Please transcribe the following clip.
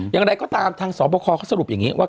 อย่างไรก็ตามทางสอบคอเขาสรุปอย่างนี้ว่า